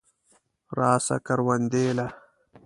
راسه کروندې له.